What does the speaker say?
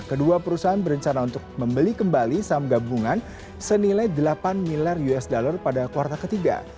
kedua perusahaan berencana untuk membeli kembali saham gabungan senilai delapan miliar usd pada kuartal ketiga